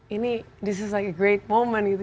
ini adalah momen yang bagus